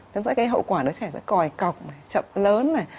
nó sẽ gây hậu quả đứa trẻ sẽ còi cọc chậm lớn này